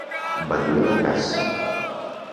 Va dir la grassa.